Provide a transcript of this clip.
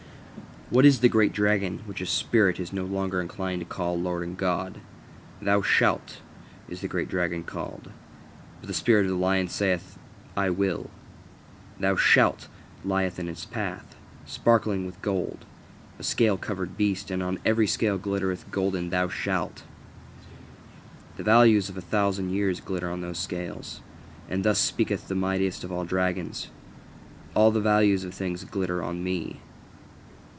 What is the great dragon which the spirit is no longer inclined to call Lord and God? "Thou shalt," is the great dragon called. But the spirit of the lion saith, "I will." "Thou shalt," lieth in its path, sparkling with gold a scale covered beast; and on every scale glittereth golden, "Thou shalt!" The values of a thousand years glitter on those scales, and thus speaketh the mightiest of all dragons: "All the values of things glitter on me.